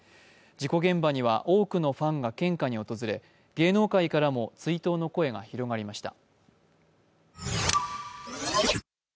事故現場には多くのファンが献花に訪れ、芸能界からも追悼の声が広がりました。